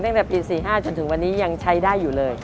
ตั้งแต่ปี๔๕จนถึงวันนี้ยังใช้ได้อยู่เลย